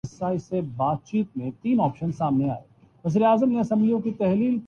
وُہ تحیّر جو تُمھیں لے کے یہاں آیا تھا